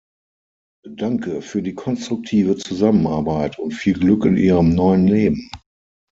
Danke für die konstruktive Zusammenarbeit und viel Glück in Ihrem neuen Leben.